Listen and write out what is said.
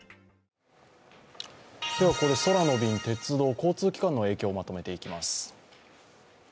今日はここで空の便、鉄道、交通機関の影響まとめていきます。